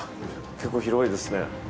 結構広いですね。